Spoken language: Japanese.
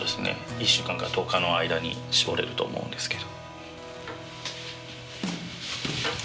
１週間から１０日の間に搾れると思うんですけど。